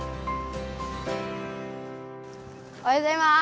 おはようございます！